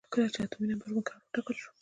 کله چې اتومي نمبر معیار وټاکل شو.